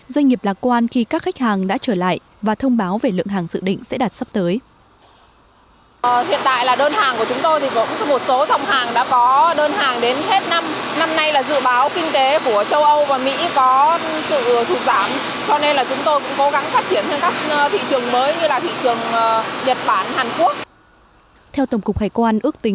doanh nghiệp lạc quan khi các khách hàng đã trở lại và thông báo về lượng hàng dự định sẽ đạt sắp tới